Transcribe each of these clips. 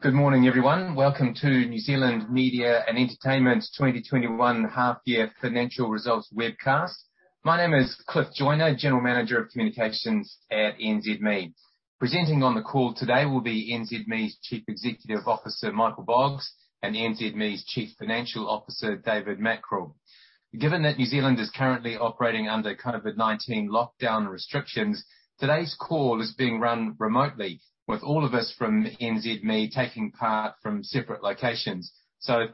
Good morning, everyone. Welcome to New Zealand Media and Entertainment 2021 half-year financial results webcast. My name is Cliff Joiner, General Manager of Communications at NZME. Presenting on the call today will be NZME's Chief Executive Officer, Michael Boggs, and NZME's Chief Financial Officer, David Mackrell. Given that New Zealand is currently operating under COVID-19 lockdown restrictions, today's call is being run remotely with all of us from NZME taking part from separate locations.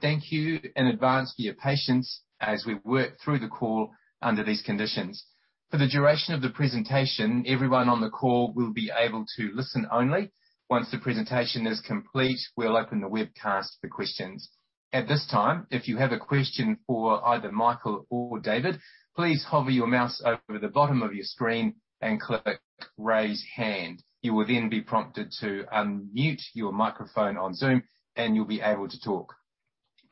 Thank you in advance for your patience as we work through the call under these conditions. For the duration of the presentation, everyone on the call will be able to listen only. Once the presentation is complete, we'll open the webcast for questions. At this time, if you have a question for either Michael or David, please hover your mouse over the bottom of your screen and click raise hand. You will then be prompted to unmute your microphone on Zoom, and you'll be able to talk.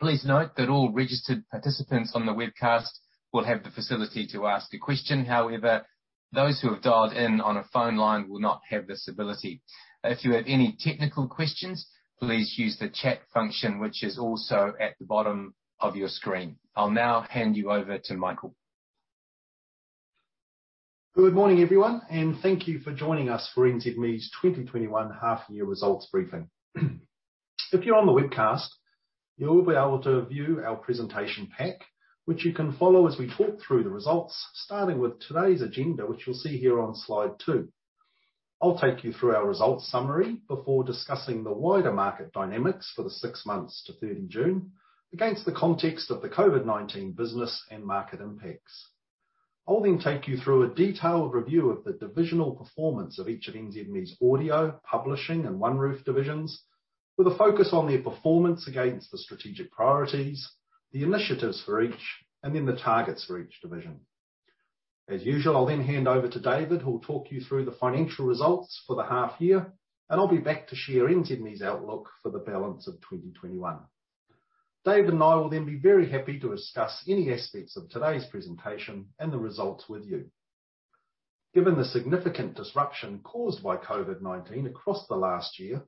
Please note that all registered participants on the webcast will have the facility to ask a question. However, those who have dialed in on a phone line will not have this ability. If you have any technical questions, please use the chat function, which is also at the bottom of your screen. I'll now hand you over to Michael. Good morning, everyone, and thank you for joining us for NZME's 2021 half-year results briefing. If you're on the webcast, you'll be able to view our presentation pack, which you can follow as we talk through the results, starting with today's agenda, which you'll see here on slide two. I'll take you through our results summary before discussing the wider market dynamics for the six months to 30 June against the context of the COVID-19 business and market impacts. I'll then take you through a detailed review of the divisional performance of each of NZME's Audio, Publishing, and OneRoof divisions with a focus on their performance against the strategic priorities, the initiatives for each, and then the targets for each division. As usual, I'll then hand over to David, who will talk you through the financial results for the half-year, and I'll be back to share NZME's outlook for the balance of 2021. David and I will then be very happy to discuss any aspects of today's presentation and the results with you. Given the significant disruption caused by COVID-19 across the last year,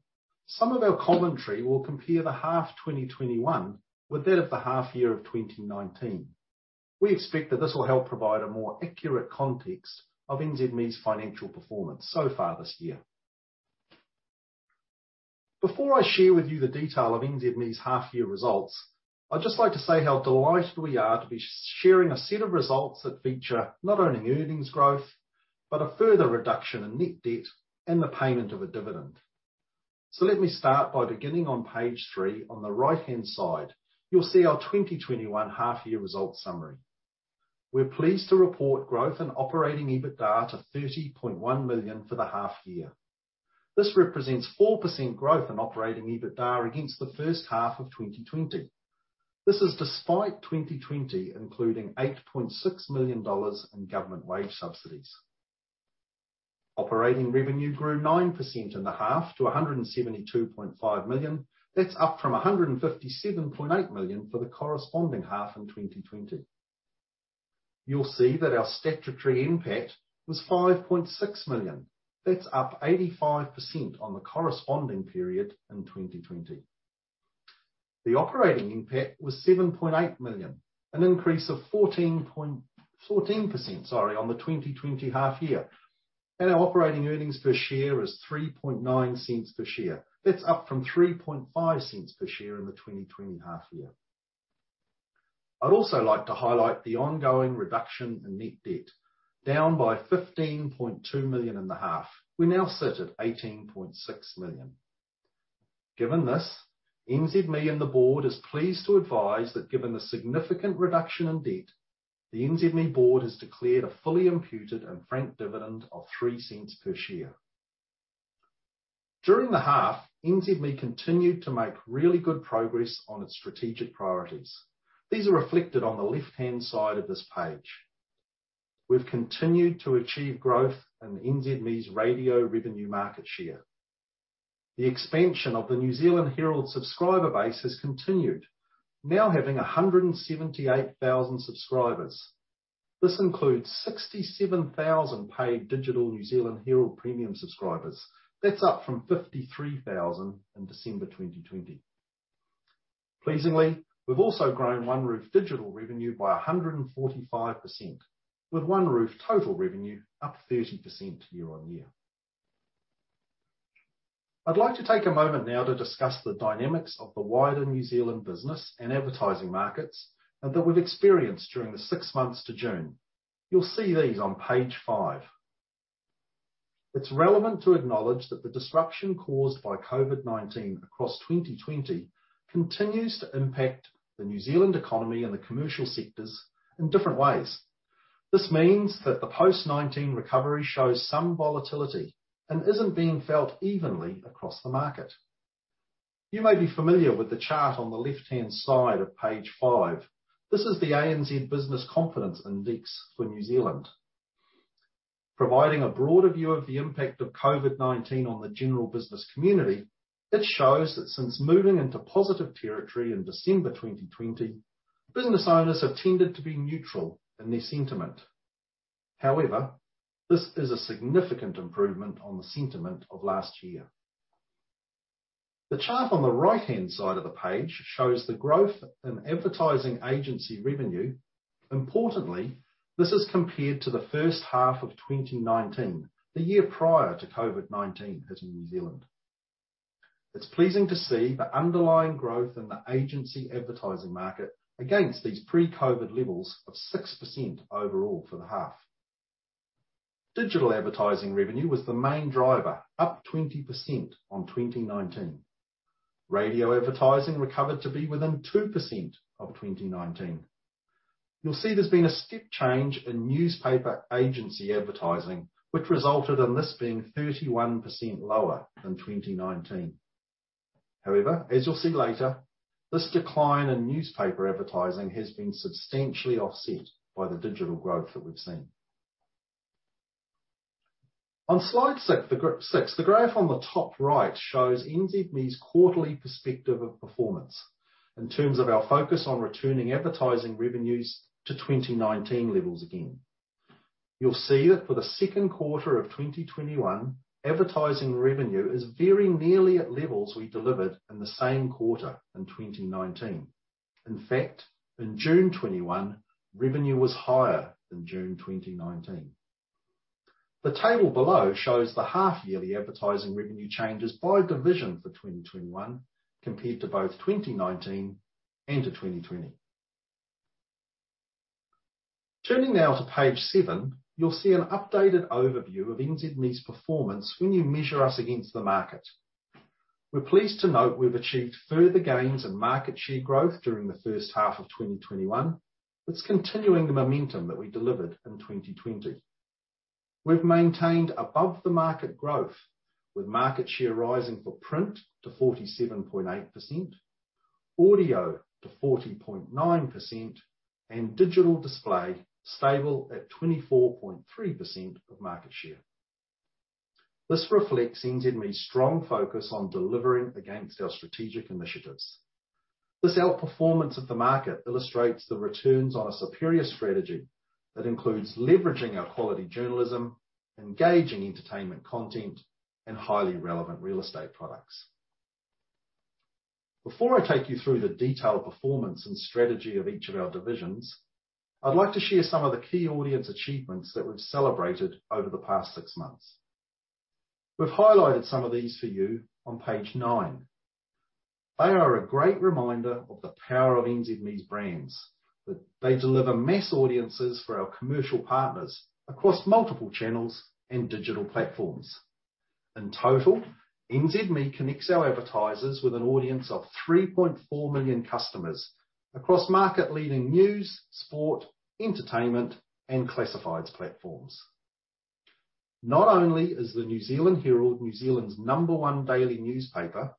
some of our commentary will compare the half 2021 with that of the half-year of 2019. We expect that this will help provide a more accurate context of NZME's financial performance so far this year. Before I share with you the detail of NZME's half-year results, I'd just like to say how delighted we are to be sharing a set of results that feature not only earnings growth, but a further reduction in net debt and the payment of a dividend. Let me start by beginning on page three. On the right-hand side, you'll see our 2021 half-year results summary. We're pleased to report growth in operating EBITDA to 30.1 million for the half-year. This represents 4% growth in operating EBITDA against the first half of 2020. This is despite 2020 including 8.6 million dollars in government wage subsidies. Operating revenue grew 9% in the half to 172.5 million. That's up from 157.8 million for the corresponding half in 2020. You'll see that our statutory NPAT was 5.6 million. That's up 85% on the corresponding period in 2020. The operating NPAT was 7.8 million, an increase of 14% on the 2020 half-year. Our operating earnings per share is 0.039 per share. That's up from 0.035 per share in the 2020 half-year. I'd also like to highlight the ongoing reduction in net debt, down by 15.2 million in the half. We now sit at 18.6 million. Given this, NZME and the board is pleased to advise that given the significant reduction in debt, the NZME board has declared a fully imputed and franked dividend of 0.03 per share. During the half, NZME continued to make really good progress on its strategic priorities. These are reflected on the left-hand side of this page. We've continued to achieve growth in NZME's radio revenue market share. The expansion of The New Zealand Herald subscriber base has continued, now having 178,000 subscribers. This includes 67,000 paid digital The New Zealand Herald Premium subscribers. That's up from 53,000 in December 2020. Pleasingly, we've also grown OneRoof digital revenue by 145%, with OneRoof total revenue up 30% year-on-year. I'd like to take a moment now to discuss the dynamics of the wider New Zealand business and advertising markets that we've experienced during the six months to June. You'll see these on page five. It's relevant to acknowledge that the disruption caused by COVID-19 across 2020 continues to impact the New Zealand economy and the commercial sectors in different ways. This means that the post-19 recovery shows some volatility and isn't being felt evenly across the market. You may be familiar with the chart on the left-hand side of page five. This is the ANZ Business Confidence Index for New Zealand. Providing a broader view of the impact of COVID-19 on the general business community, it shows that since moving into positive territory in December 2020, business owners have tended to be neutral in their sentiment. However, this is a significant improvement on the sentiment of last year. The chart on the right-hand side of the page shows the growth in advertising agency revenue. Importantly, this is compared to the first half of 2019, the year prior to COVID-19 hitting New Zealand. It's pleasing to see the underlying growth in the agency advertising market against these pre-COVID levels of 6% overall for the half. Digital advertising revenue was the main driver, up 20% on 2019. Radio advertising recovered to be within 2% of 2019. You'll see there's been a steep change in newspaper agency advertising, which resulted in this being 31% lower than 2019. As you'll see later, this decline in newspaper advertising has been substantially offset by the digital growth that we've seen. On slide 6, the graph on the top right shows NZME's quarterly perspective of performance in terms of our focus on returning advertising revenues to 2019 levels again. You'll see that for the second quarter of 2021, advertising revenue is very nearly at levels we delivered in the same quarter in 2019. In fact, in June 2021, revenue was higher than June 2019. The table below shows the half-yearly advertising revenue changes by division for 2021 compared to both 2019 and to 2020. Turning now to page seven, you'll see an updated overview of NZME's performance when you measure us against the market. We're pleased to note we've achieved further gains in market share growth during the first half of 2021. It's continuing the momentum that we delivered in 2020. We've maintained above the market growth, with market share rising for print to 47.8%, audio to 40.9%, and digital display stable at 24.3% of market share. This reflects NZME's strong focus on delivering against our strategic initiatives. This outperformance of the market illustrates the returns on a superior strategy that includes leveraging our quality journalism, engaging entertainment content, and highly relevant real estate products. Before I take you through the detailed performance and strategy of each of our divisions, I'd like to share some of the key audience achievements that we've celebrated over the past six months. We've highlighted some of these for you on page nine. They are a great reminder of the power of NZME's brands. They deliver mass audiences for our commercial partners across multiple channels and digital platforms. In total, NZME connects our advertisers with an audience of 3.4 million customers across market-leading news, sport, entertainment, and classifieds platforms. Not only is The New Zealand Herald New Zealand's number one daily newspaper,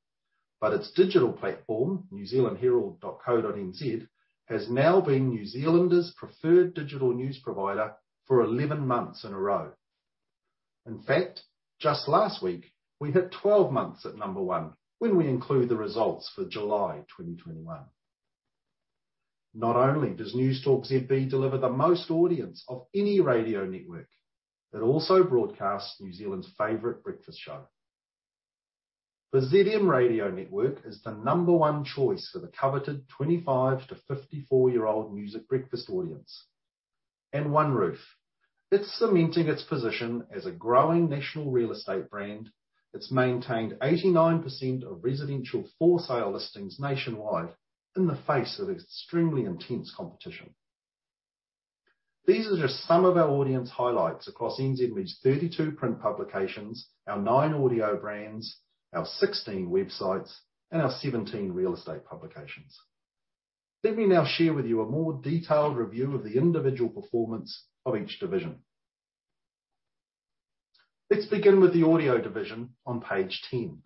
but its digital platform, nzherald.co.nz, has now been New Zealanders' preferred digital news provider for 11 months in a row. In fact, just last week, we hit 12 months at number 1 when we include the results for July 2021. Not only does Newstalk ZB deliver the most audience of any radio network, it also broadcasts New Zealand's favorite breakfast show. The ZM radio network is the number one choice for the coveted 25 to 54-year-old music breakfast audience. OneRoof, it's cementing its position as a growing national real estate brand. It's maintained 89% of residential for-sale listings nationwide in the face of extremely intense competition. These are just some of our audience highlights across NZME's 32 print publications, our nine audio brands, our 16 websites, and our 17 real estate publications. Let me now share with you a more detailed review of the individual performance of each division. Let's begin with the audio division on page 10.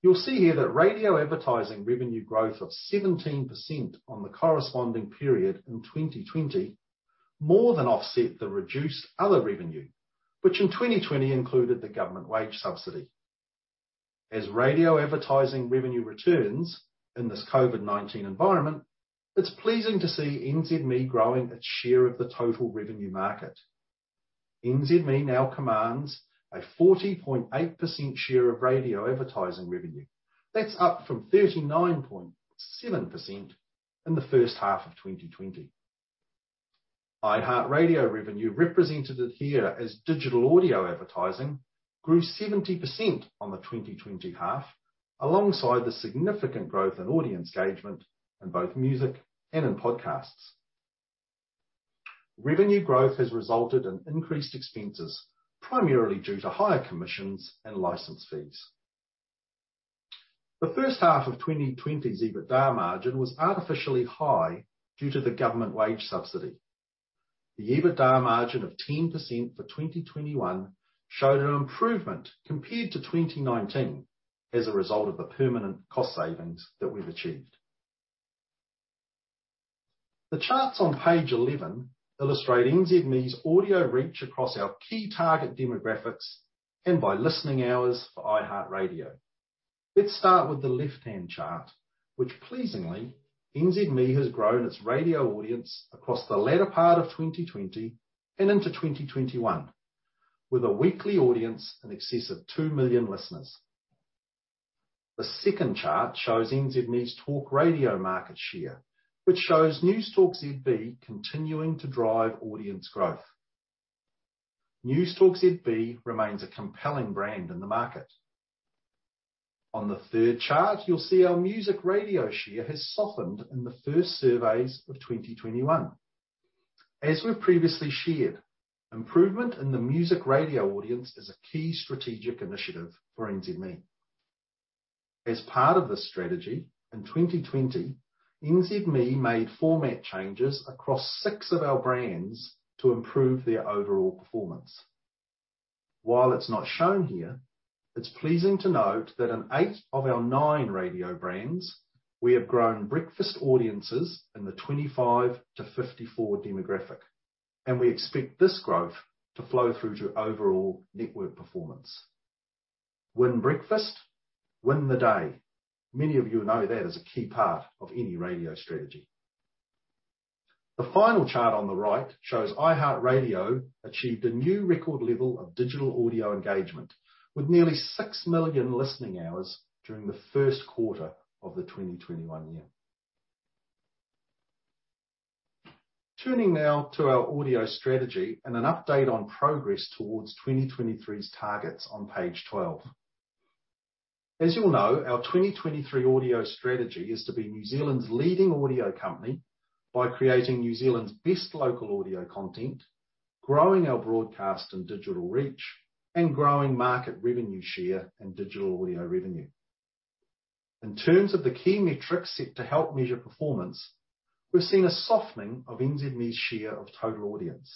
You'll see here that radio advertising revenue growth of 17% on the corresponding period in 2020 more than offset the reduced other revenue, which in 2020 included the government wage subsidy. As radio advertising revenue returns in this COVID-19 environment, it's pleasing to see NZME growing its share of the total revenue market. NZME now commands a 40.8% share of radio advertising revenue. That's up from 39.7% in the first half of 2020. iHeartRadio revenue represented here as digital audio advertising grew 70% on the 2020 half alongside the significant growth in audience engagement in both music and in podcasts. Revenue growth has resulted in increased expenses, primarily due to higher commissions and license fees. The first half of 2020's EBITDA margin was artificially high due to the government wage subsidy. The EBITDA margin of 10% for 2021 showed an improvement compared to 2019 as a result of the permanent cost savings that we've achieved. The charts on page 11 illustrate NZME's audio reach across our key target demographics and by listening hours for iHeartRadio. Let's start with the left-hand chart, which pleasingly, NZME has grown its radio audience across the latter part of 2020 and into 2021, with a weekly audience in excess of two million listeners. The second chart shows NZME's talk radio market share, which shows Newstalk ZB continuing to drive audience growth. Newstalk ZB remains a compelling brand in the market. On the third chart, you'll see our music radio share has softened in the first surveys of 2021. As we've previously shared, improvement in the music radio audience is a key strategic initiative for NZME. As part of this strategy, in 2020, NZME made format changes across six of our brands to improve their overall performance. While it's not shown here, it's pleasing to note that in eight of our nine radio brands, we have grown breakfast audiences in the 25-54 demographic, and we expect this growth to flow through to overall network performance. Win breakfast, win the day. Many of you know that as a key part of any radio strategy. The final chart on the right shows iHeartRadio achieved a new record level of digital audio engagement with nearly six million listening hours during the first quarter of the 2021 year. Turning now to our audio strategy and an update on progress towards 2023's targets on page 12. As you'll know, our 2023 audio strategy is to be New Zealand's leading audio company by creating New Zealand's best local audio content, growing our broadcast and digital reach, and growing market revenue share and digital audio revenue. In terms of the key metrics set to help measure performance, we've seen a softening of NZME's share of total audience.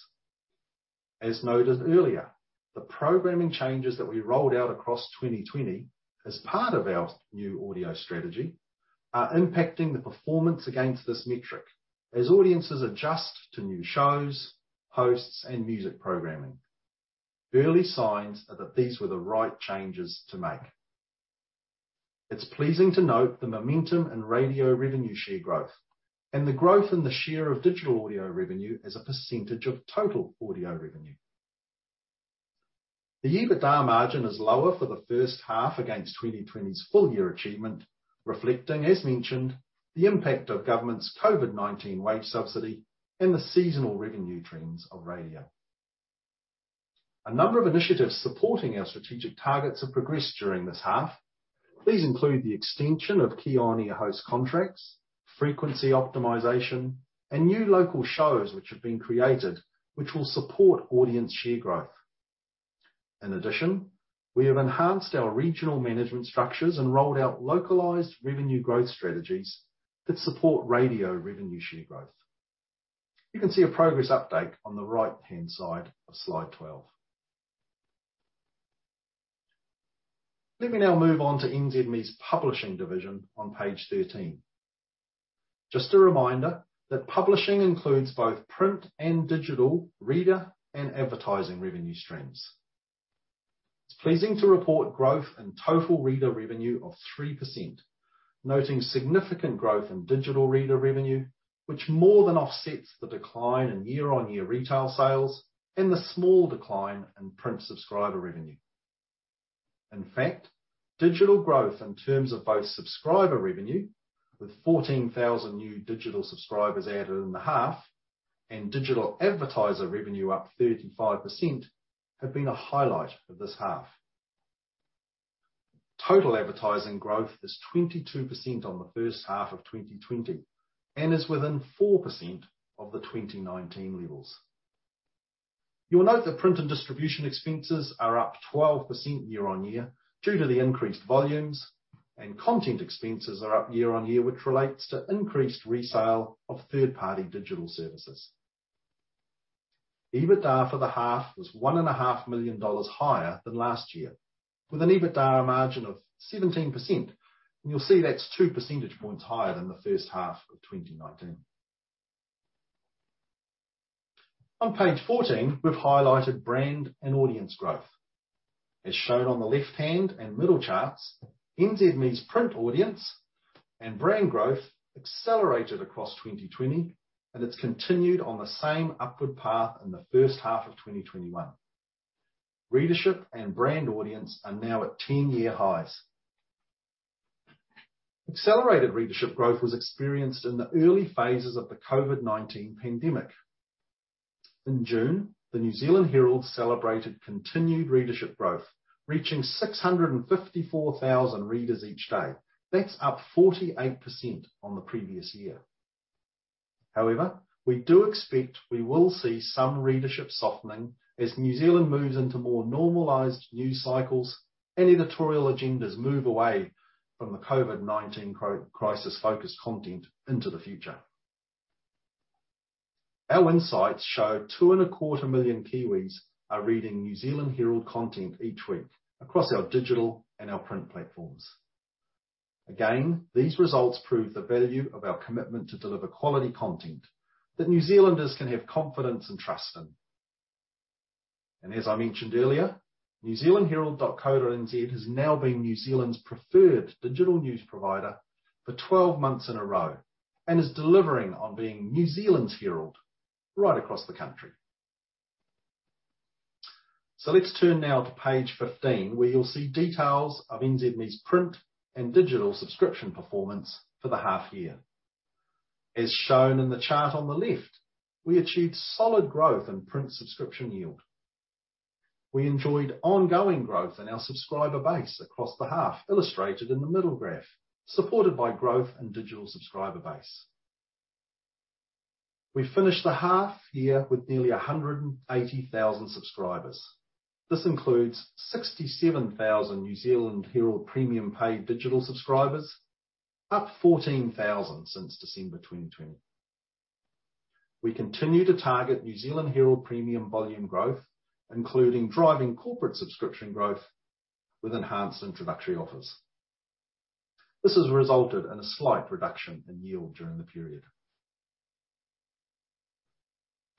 As noted earlier, the programming changes that we rolled out across 2020 as part of our new audio strategy are impacting the performance against this metric as audiences adjust to new shows, hosts, and music programming. Early signs are that these were the right changes to make. It's pleasing to note the momentum in radio revenue share growth and the growth in the share of digital audio revenue as a percentage of total audio revenue. The EBITDA margin is lower for the first half against 2020's full year achievement, reflecting, as mentioned, the impact of government's COVID-19 wage subsidy and the seasonal revenue trends of radio. A number of initiatives supporting our strategic targets have progressed during this half. These include the extension of key on-air host contracts, frequency optimization, and new local shows which have been created, which will support audience share growth. In addition, we have enhanced our regional management structures and rolled out localized revenue growth strategies that support radio revenue share growth. You can see a progress update on the right-hand side of slide 12. Let me now move on to NZME's publishing division on page 13. Just a reminder that publishing includes both print and digital reader and advertising revenue streams. It is pleasing to report growth in total reader revenue of 3%, noting significant growth in digital reader revenue, which more than offsets the decline in year-on-year retail sales and the small decline in print subscriber revenue. Digital growth in terms of both subscriber revenue, with 14,000 new digital subscribers added in the half, and digital advertiser revenue up 35%, have been a highlight of this half. Total advertising growth is 22% on the first half of 2020 and is within 4% of the 2019 levels. You will note that print and distribution expenses are up 12% year-on-year due to the increased volumes, and content expenses are up year-on-year, which relates to increased resale of third-party digital services. EBITDA for the half was 1.5 million dollars higher than last year, with an EBITDA margin of 17%, and you will see that is two percentage points higher than the first half of 2019. On page 14, we've highlighted brand and audience growth. As shown on the left-hand and middle charts, NZME's print audience and brand growth accelerated across 2020, and it's continued on the same upward path in the first half of 2021. Readership and brand audience are now at 10-year highs. Accelerated readership growth was experienced in the early phases of the COVID-19 pandemic. In June, The New Zealand Herald celebrated continued readership growth, reaching 654,000 readers each day. That's up 48% on the previous year. We do expect we will see some readership softening as New Zealand moves into more normalized news cycles and editorial agendas move away from the COVID-19 crisis-focused content into the future. Our insights show two and a quarter million Kiwis are reading New Zealand Herald content each week across our digital and our print platforms. Again, these results prove the value of our commitment to deliver quality content that New Zealanders can have confidence and trust in. As I mentioned earlier, nzherald.co.nz has now been New Zealand's preferred digital news provider for 12 months in a row, and is delivering on being New Zealand's Herald right across the country. Let's turn now to page 15, where you'll see details of NZME's print and digital subscription performance for the half year. As shown in the chart on the left, we achieved solid growth in print subscription yield. We enjoyed ongoing growth in our subscriber base across the half, illustrated in the middle graph, supported by growth in digital subscriber base. We finished the half year with nearly 180,000 subscribers. This includes 67,000 New Zealand Herald Premium paid digital subscribers, up 14,000 since December 2020. We continue to target New Zealand Herald Premium volume growth, including driving corporate subscription growth with enhanced introductory offers. This has resulted in a slight reduction in yield during the period.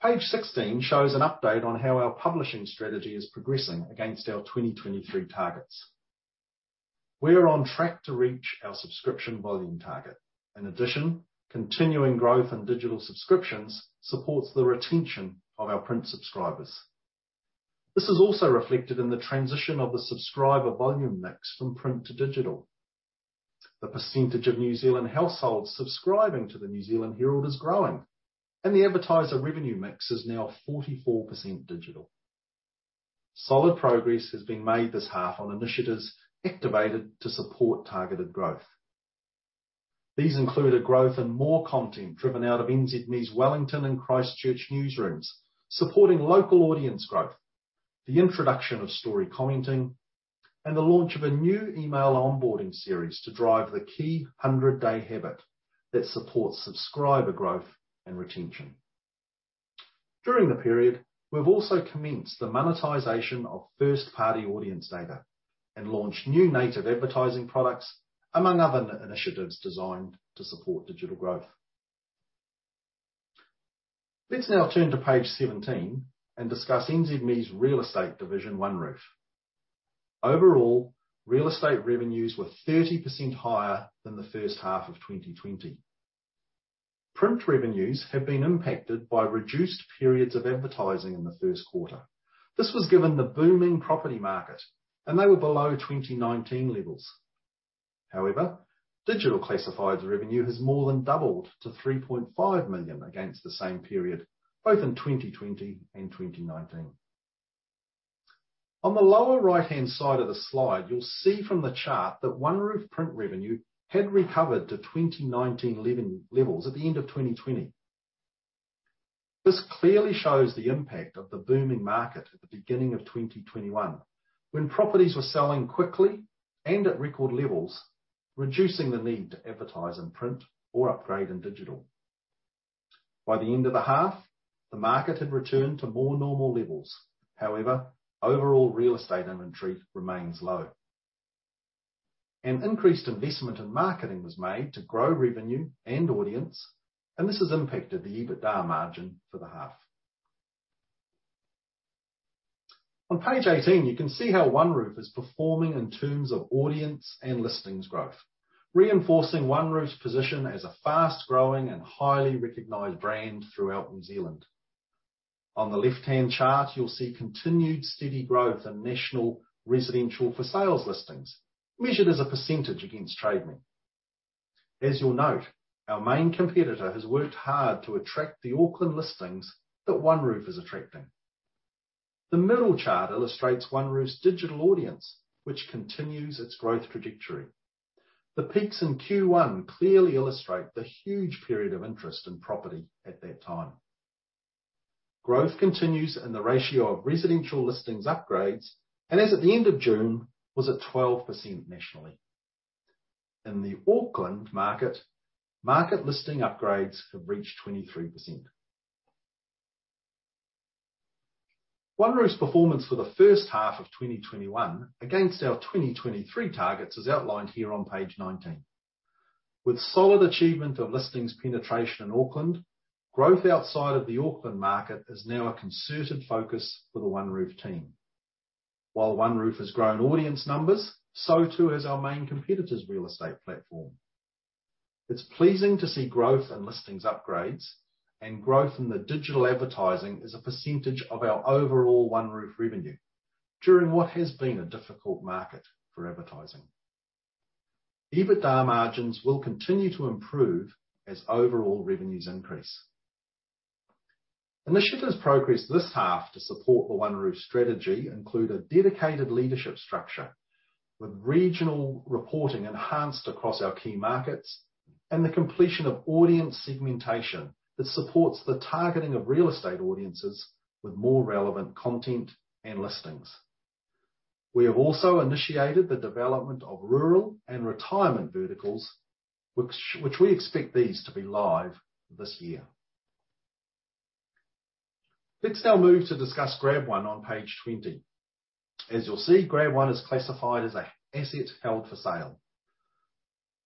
Page 16 shows an update on how our publishing strategy is progressing against our 2023 targets. We are on track to reach our subscription volume target. In addition, continuing growth in digital subscriptions supports the retention of our print subscribers. This is also reflected in the transition of the subscriber volume mix from print to digital. The percentage of New Zealand households subscribing to the New Zealand Herald is growing, and the advertiser revenue mix is now 44% digital. Solid progress has been made this half on initiatives activated to support targeted growth. These included growth and more content driven out of NZME's Wellington and Christchurch newsrooms, supporting local audience growth, the introduction of story commenting, and the launch of a new email onboarding series to drive the key 100-day habit that supports subscriber growth and retention. During the period, we've also commenced the monetization of first-party audience data and launched new native advertising products, among other initiatives designed to support digital growth. Let's now turn to page 17 and discuss NZME's real estate division, OneRoof. Overall, real estate revenues were 30% higher than the first half of 2020. Print revenues have been impacted by reduced periods of advertising in the first quarter. This was given the booming property market, and they were below 2019 levels. However, digital classified revenue has more than doubled to 3.5 million against the same period, both in 2020 and 2019. On the lower right-hand side of the slide, you'll see from the chart that OneRoof print revenue had recovered to 2019 levels at the end of 2020. This clearly shows the impact of the booming market at the beginning of 2021, when properties were selling quickly and at record levels, reducing the need to advertise in print or upgrade in digital. By the end of the half, the market had retuned to more normal levels. However, overall real estate inventory remains low. An increased investment in marketing was made to grow revenue and audience, and this has impacted the EBITDA margin for the half. On page 18, you can see how OneRoof is performing in terms of audience and listings growth, reinforcing OneRoof's position as a fast-growing and highly recognized brand throughout New Zealand. On the left-hand chart, you'll see continued steady growth in national residential for sales listings, measured as a percentage against Trade Me. As you'll note, our main competitor has worked hard to attract the Auckland listings that OneRoof is attracting. The middle chart illustrates OneRoof's digital audience, which continues its growth trajectory. The peaks in Q1 clearly illustrate the huge period of interest in property at that time. Growth continues in the ratio of residential listings upgrades, and as at the end of June, was at 12% nationally. In the Auckland market listing upgrades have reached 23%. OneRoof's performance for the first half of 2021 against our 2023 targets is outlined here on page 19. With solid achievement of listings penetration in Auckland, growth outside of the Auckland market is now a concerted focus for the OneRoof team. While OneRoof has grown audience numbers, so too has our main competitor's real estate platform. It's pleasing to see growth in listings upgrades and growth in the digital advertising as a % of our overall OneRoof revenue during what has been a difficult market for advertising. EBITDA margins will continue to improve as overall revenues increase. Initiatives progressed this half to support the OneRoof strategy include a dedicated leadership structure with regional reporting enhanced across our key markets and the completion of audience segmentation that supports the targeting of real estate audiences with more relevant content and listings. We have also initiated the development of rural and retirement verticals, which we expect these to be live this year. Let's now move to discuss GrabOne on page 20. As you'll see, GrabOne is classified as an asset held for sale.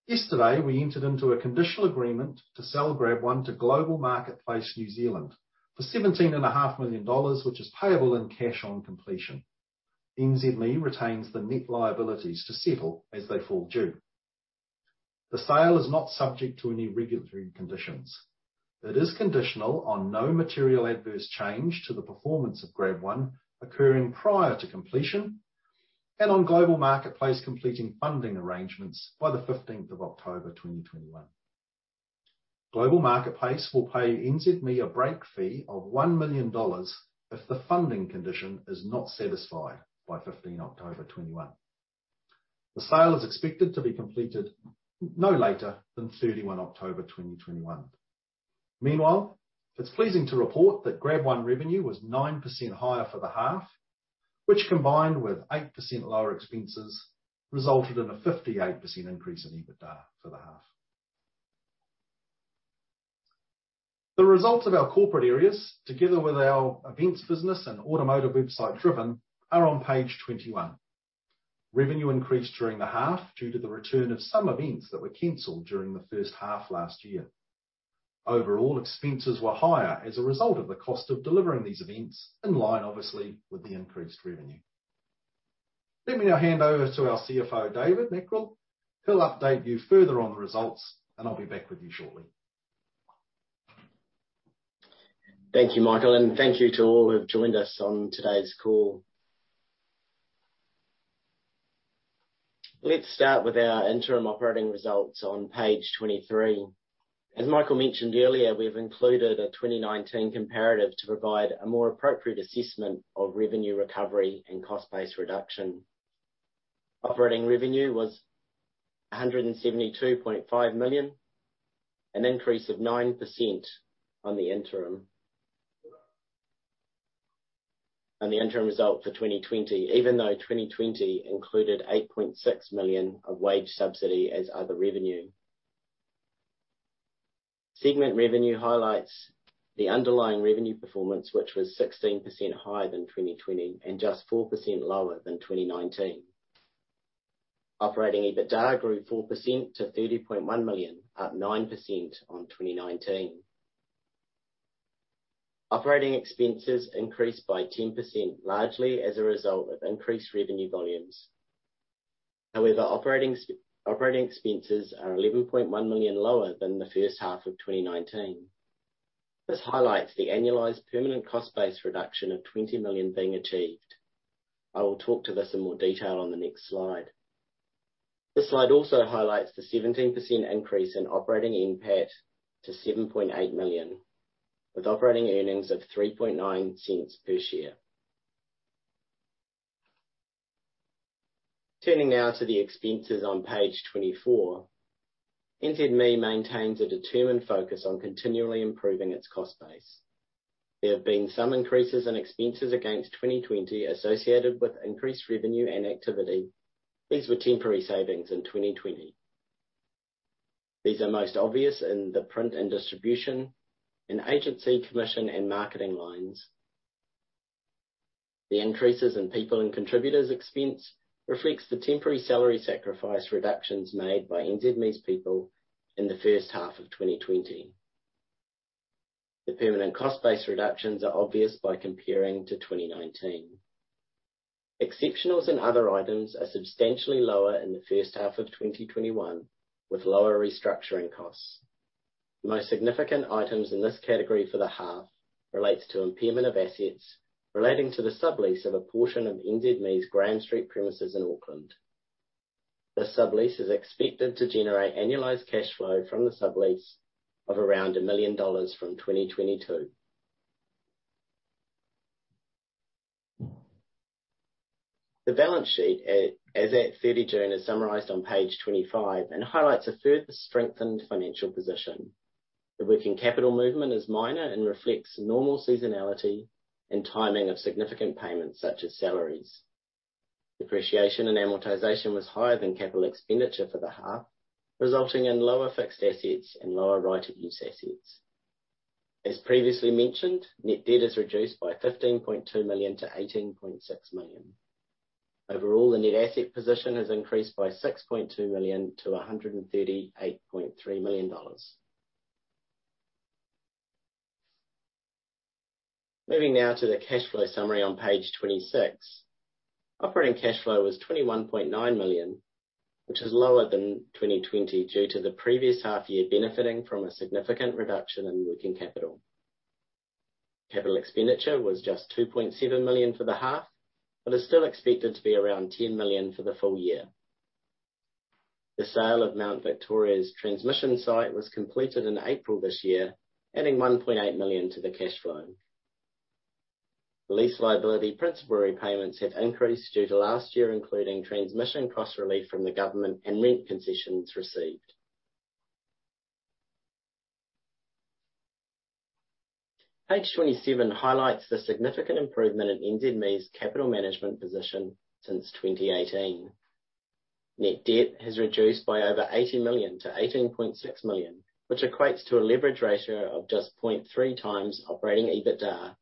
Yesterday, we entered into a conditional agreement to sell GrabOne to Global Marketplace New Zealand for 17.5 million dollars, which is payable in cash on completion. NZME retains the net liabilities to settle as they fall due. The sale is not subject to any regulatory conditions. It is conditional on no material adverse change to the performance of GrabOne occurring prior to completion, and on Global Marketplace completing funding arrangements by the 15th of October 2021. Global Marketplace will pay NZME a break fee of 1 million dollars if the funding condition is not satisfied by 15 October 2021. The sale is expected to be completed no later than 31 October 2021. Meanwhile, it's pleasing to report that GrabOne revenue was 9% higher for the half, which combined with 8% lower expenses, resulted in a 58% increase in EBITDA for the half. The results of our corporate areas, together with our events business and automotive website Driven, are on page 21. Revenue increased during the half due to the return of some events that were canceled during the first half last year. Overall, expenses were higher as a result of the cost of delivering these events, in line obviously with the increased revenue. Let me now hand over to our CFO, David Mackrell. He'll update you further on the results, and I'll be back with you shortly. Thank you, Michael, and thank you to all who have joined us on today's call. Let's start with our interim operating results on page 23. As Michael mentioned earlier, we've included a 2019 comparative to provide a more appropriate assessment of revenue recovery and cost base reduction. Operating revenue was 172.5 million, an increase of 9% on the interim result for 2020, even though 2020 included 8.6 million of wage subsidy as other revenue. Segment revenue highlights the underlying revenue performance, which was 16% higher than 2020 and just 4% lower than 2019. Operating EBITDA grew 4% to 30.1 million, up 9% on 2019. Operating expenses increased by 10%, largely as a result of increased revenue volumes. However, operating expenses are 11.1 million lower than the first half of 2019. This highlights the annualized permanent cost base reduction of 20 million being achieved. I will talk to this in more detail on the next slide. This slide also highlights the 17% increase in operating NPAT to 7.8 million, with operating earnings of 0.039 per share. Turning now to the expenses on page 24. NZME maintains a determined focus on continually improving its cost base. There have been some increases in expenses against 2020 associated with increased revenue and activity. These were temporary savings in 2020. These are most obvious in the print and distribution and agency commission and marketing lines. The increases in people and contributors expense reflects the temporary salary sacrifice reductions made by NZME's people in the first half of 2020. The permanent cost base reductions are obvious by comparing to 2019. Exceptionals and other items are substantially lower in the first half of 2021, with lower restructuring costs. Most significant items in this category for the half relates to impairment of assets relating to the sublease of a portion of NZME's Graham Street premises in Auckland. This sublease is expected to generate annualized cash flow from the sublease of around 1 million dollars from 2022. The balance sheet as at 30 June is summarized on page 25 and highlights a further strengthened financial position. The working capital movement is minor and reflects normal seasonality and timing of significant payments such as salaries. Depreciation and amortization was higher than capital expenditure for the half, resulting in lower fixed assets and lower right of use assets. As previously mentioned, net debt is reduced by 15.2 million to 18.6 million. Overall, the net asset position has increased by 6.2 million to 138.3 million dollars. Moving now to the cash flow summary on page 26. Operating cash flow was NZD 21.9 million, which is lower than 2020 due to the previous half year benefiting from a significant reduction in working capital. Capital expenditure was just 2.7 million for the half, but is still expected to be around 10 million for the full year. The sale of Mount Victoria's transmission site was completed in April this year, adding 1.8 million to the cash flow. Lease liability principal repayments have increased due to last year including transmission cost relief from the government and rent concessions received. Page 27 highlights the significant improvement in NZME's capital management position since 2018. Net debt has reduced by over 80 million to 18.6 million, which equates to a leverage ratio of just 0.3x operating EBITDA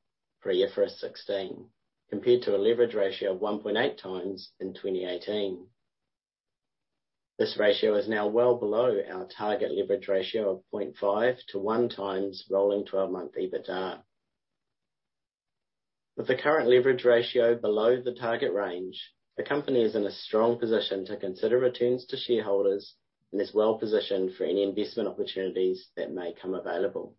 for FY 2016, compared to a leverage ratio of 1.8x in 2018. This ratio is now well below our target leverage ratio of 0.5 to 1x rolling 12-month EBITDA. With the current leverage ratio below the target range, the company is in a strong position to consider returns to shareholders and is well-positioned for any investment opportunities that may come available.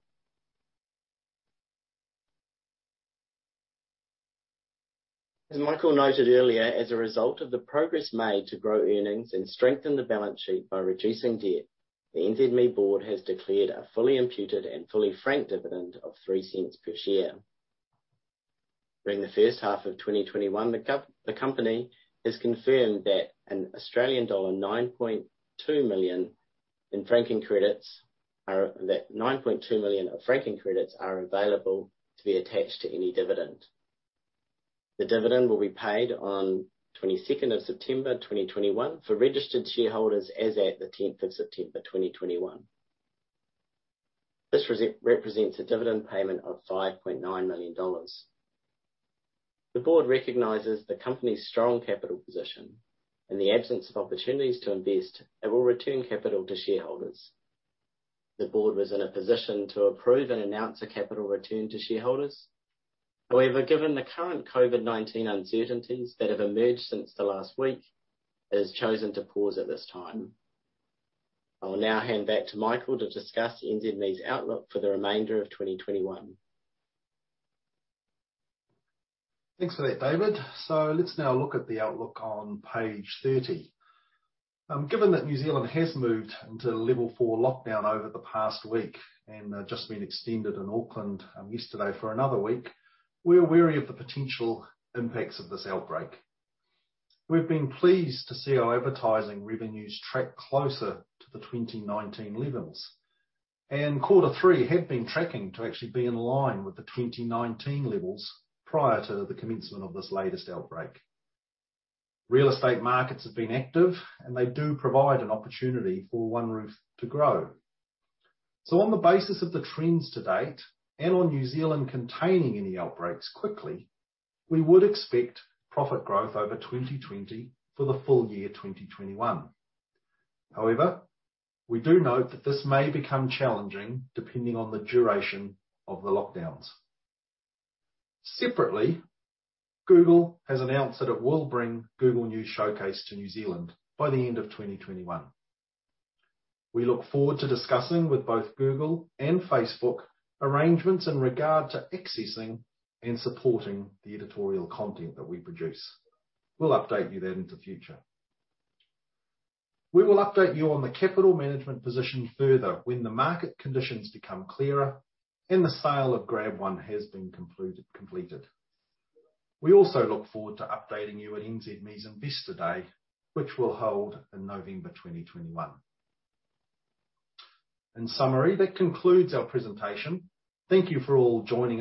As Michael noted earlier, as a result of the progress made to grow earnings and strengthen the balance sheet by reducing debt, the NZME board has declared a fully imputed and fully franked dividend of 0.03 per share. During the first half of 2021, the company has confirmed that Australian dollar 9.2 million of franking credits are available to be attached to any dividend. The dividend will be paid on 22nd of September 2021 for registered shareholders as at the 10th of September 2021. This represents a dividend payment of 5.9 million dollars. The board recognizes the company's strong capital position. In the absence of opportunities to invest, it will return capital to shareholders. The board was in a position to approve and announce a capital return to shareholders. However, given the current COVID-19 uncertainties that have emerged since the last week, it has chosen to pause at this time. I will now hand back to Michael to discuss NZME's outlook for the remainder of 2021. Thanks for that, David. Let's now look at the outlook on page 30. Given that New Zealand has moved into level four lockdown over the past week and just been extended in Auckland yesterday for another week, we are wary of the potential impacts of this outbreak. We've been pleased to see our advertising revenues track closer to the 2019 levels. Q3 had been tracking to actually be in line with the 2019 levels prior to the commencement of this latest outbreak. Real estate markets have been active, and they do provide an opportunity for OneRoof to grow. On the basis of the trends to date and on New Zealand containing any outbreaks quickly, we would expect profit growth over 2020 for the full year 2021. However, we do note that this may become challenging depending on the duration of the lockdowns. Separately, Google has announced that it will bring Google News Showcase to New Zealand by the end of 2021. We look forward to discussing with both Google and Facebook arrangements in regard to accessing and supporting the editorial content that we produce. We'll update you then in the future. We will update you on the capital management position further when the market conditions become clearer and the sale of GrabOne has been completed. We also look forward to updating you at NZME's Investor Day, which we'll hold in November 2021. In summary, that concludes our presentation. Thank you for all joining